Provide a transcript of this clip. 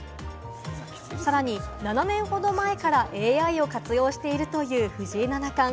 さらに７年ほど前からＡＩを活用しているという藤井七冠。